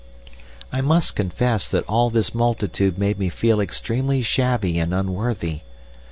"I must confess that all this multitude made me feel extremely shabby and unworthy.